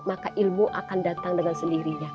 maka ilmu akan datang dengan sendirinya